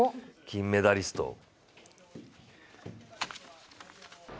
金メダリストを。